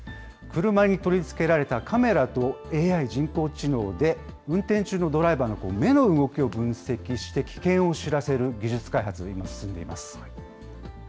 車に取り付けられたカメラとＡＩ・人工知能で運転中のドライバーの目の動きを分析して、危険を知らせる技術開発、今進んでいます。